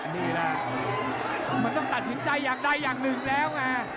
นี่แหละมันต้องตัดสินใจอย่างใดอย่างหนึ่งแล้วไง